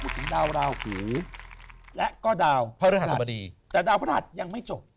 แต่ดาวพระนาจยังไม่จบ